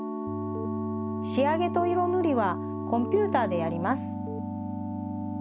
しあげといろぬりはコンピューターでやります。